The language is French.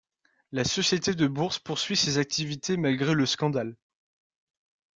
La société de Bourse poursuit ses activités malgré le scandale.